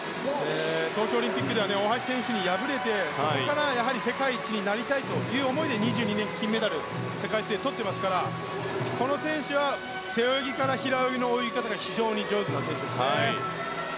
東京オリンピックで大橋選手に敗れてそこから世界一になりたいという思いで２２年、金メダルを世界水泳でとっていますからこの選手は背泳ぎから平泳ぎの泳ぎ方が非常に上手な選手です。